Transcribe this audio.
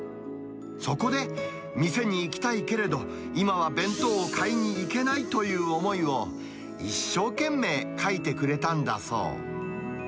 そこで、店に行きたいけれど、今は弁当を買いに行けないという思いを、一生懸命書いてくれたんだそう。